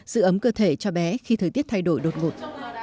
giữ ấm cơ thể cho bé khi thời tiết thay đổi đột ngột